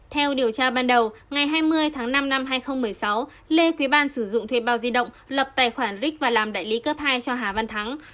theo điều tra ban đầu ngày hai mươi tháng năm năm hai nghìn một mươi sáu lê quý ban sử dụng thuê bao di động lập tài khoản rick và làm đại lý cấp hai cho hà văn thắng